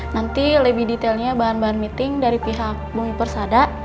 nanti lebih detailnya bahan bahan meeting dari pihak bumi persada